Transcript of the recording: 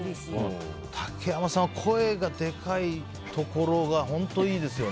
竹山さんは声がでかいところが本当いいですよね。